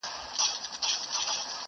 چوروندک ځالګۍ نه سوه پرېښودلای!.